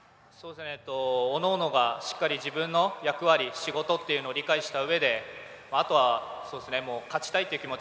おのおのがしっかり自分の役割、仕事を理解したうえであとは勝ちたいという気持ち。